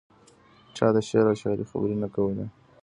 چا د شعر او شاعرۍ خبرې نه کولې.